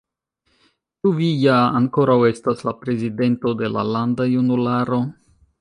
Ĉu vi ja ankoraŭ estas la prezidento de la landa junularo?